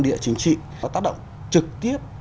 địa chính trị nó tác động trực tiếp